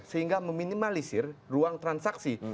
sehingga meminimalisir ruang transaksi